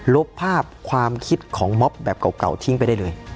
ลบภาพความคิดของม็อบแบบเก่าทิ้งไปได้เลย